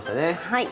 はい。